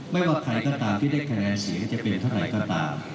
ไม่ว่าใครก็ตามที่ได้คะแนนเสียงจะเป็นเท่าไหร่ก็ตาม